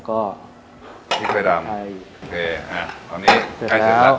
โอเคอ่ะตอนนี้ใครเจอแล้ว